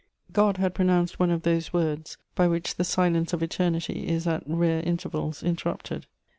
God had pronounced one of those words by which the silence of eternity is at rare intervals interrupted.